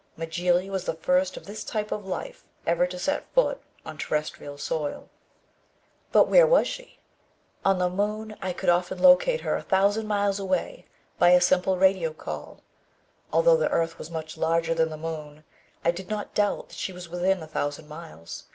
Mjly was the first of this type of life ever to set foot on terrestrial soil. But where was she? On the moon, I could often locate her a thousand miles away by a simple radio call. Although the earth was much larger than the moon, I did not doubt that she was within a thousand miles.